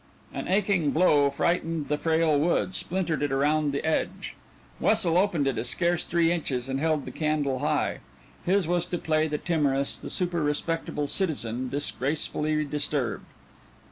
An aching blow frightened the frail wood, splintered it around the edge. Wessel opened it a scarce three inches, and held the candle high. His was to play the timorous, the super respectable citizen, disgracefully disturbed.